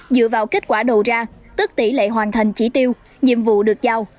dựa vào kết quả đầu ra tức tỷ lệ hoàn thành chỉ tiêu nhiệm vụ được giao